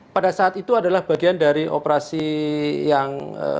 pada saat itu adalah bagian dari operasi yang